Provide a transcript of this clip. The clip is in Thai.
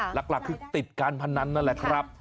หลักคือติดการพนันนั่นแหละครับ